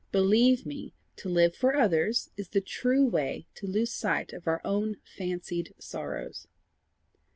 Believe me, to live for others is the true way to lose sight of our own fancied sorrows."